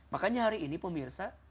makanya hari ini pemirsa